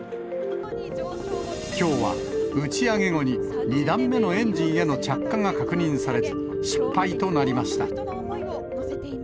きょうは打ち上げ後に２段目のエンジンへの着火が確認されず、失敗となりました。